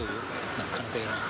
なかなかやらない。